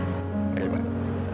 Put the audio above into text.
sampai jumpa lagi